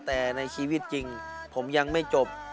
แต่ในชีวิตจริงผมยังไม่จบ